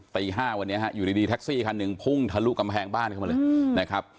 ตี๕วันนี้อยู่ในดีทักซี่คันหนึ่งพุ่งทะลุกำแพงบ้านขึ้นมาเลย